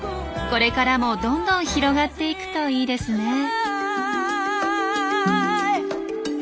これからもどんどん広がっていくといいですね。